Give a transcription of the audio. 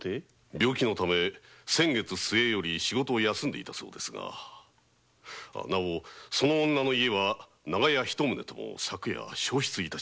病気のため先月末より休んでいたそうですがその女の家は長屋一棟とも昨夜焼失しました。